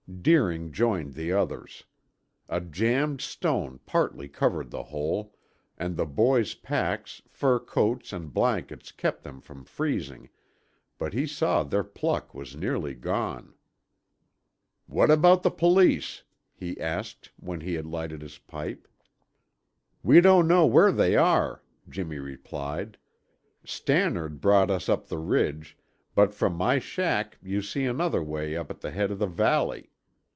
Deering joined the others. A jambed stone partly covered the hole, and the boys' packs, fur coats and blankets kept them from freezing, but he saw their pluck was nearly gone. "What about the police?" he asked, when he had lighted his pipe. "We don't know where they are," Jimmy replied. "Stannard brought us up the ridge, but from my shack you see another way up at the head of the valley.